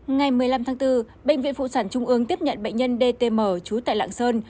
ngày một mươi năm tháng bốn bệnh viện phụ sản trung ương tiếp nhận bệnh nhân dtm chú tại lạng sơn